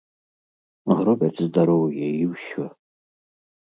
Гробяць здароўе і ўсё.